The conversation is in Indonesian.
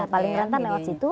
paling rentan lewat situ